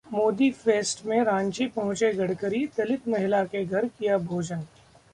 Modi fest में रांची पहुंचे गडकरी, दलित महिला के घर किया भोजन